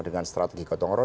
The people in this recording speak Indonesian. dengan strategi ketongoro